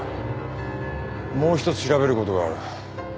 もう一つ調べる事がある。